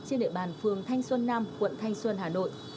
trên địa bàn phường thanh xuân nam quận thanh xuân hà nội